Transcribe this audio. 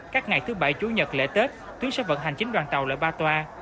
các ngày thứ bảy chủ nhật lễ tết tuyến sát vận hành chín đoàn tàu loại ba toa